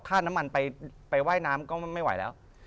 น้ำมันไปว่ายน้ำก็ไม่ไหวแล้ว